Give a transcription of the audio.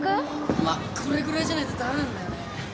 まっこれぐらいじゃないと駄目なんだよね。